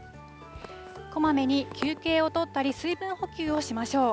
こまめに休憩を取ったり、水分補給をしましょう。